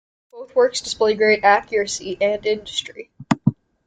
Both works display great accuracy and industry.